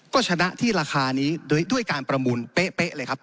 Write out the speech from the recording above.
ก็ชนะที่ราคานี้ด้วยการประมูลเป๊ะเลยครับ